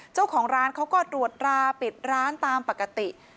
เจ้าของร้านเขาก็ตรวจราปิดร้านตามปกติ